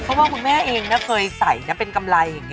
เขาว่าคุณแม่เคยใส่เป็นกำไรอย่างนี้